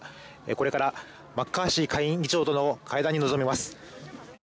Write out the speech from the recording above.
これからマッカーシー下院議長との会談に臨みます。